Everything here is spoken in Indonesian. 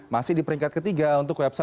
masih di peringkat ketiga untuk website